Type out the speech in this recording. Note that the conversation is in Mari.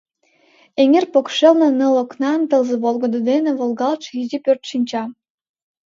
Эҥер покшелне ныл окнан, тылзе волгыдо дене волгалтше изи пӧрт шинча.